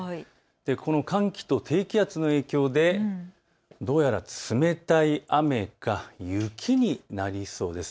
この寒気と低気圧の影響でどうやら冷たい雨か雪になりそうです。